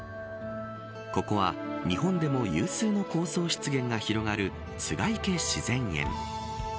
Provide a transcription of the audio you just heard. ここは日本でも有数の高層湿原が広がる栂池自然園。